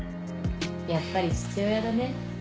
やっぱり父親だね。